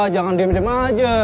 jangan diem diem aja